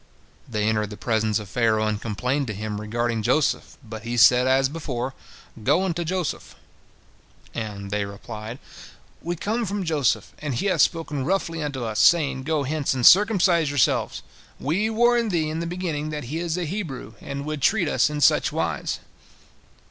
They entered the presence of Pharaoh, and complained to him regarding Joseph, but he said as before, "Go unto Joseph!" And they replied, "We come from Joseph, and he hath spoken roughly unto us, saying, Go hence and circumcise yourselves! We warned thee in the beginning that he is a Hebrew, and would treat us in such wise."